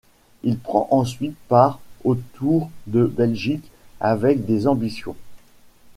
Il prend ensuite part au Tour de Belgique avec des ambitions.